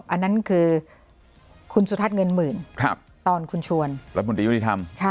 อันนั้นคือคุณสุทัศน์เงินหมื่นครับตอนคุณชวนและหมุนดียุลิธรรม